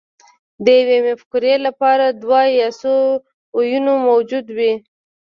د یوې مفکورې لپاره دوه یا څو ویونه موجود وي